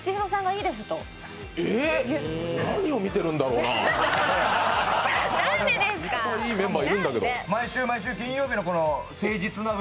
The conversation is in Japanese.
いっぱいいいメンバーいるんだけど。